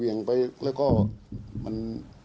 เหวี่ยงไปแล้วก็มัน